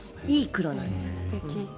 いい黒なんです。